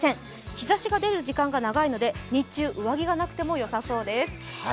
日差しが出る時間が長いので日中、上着がなくてもよさそうです。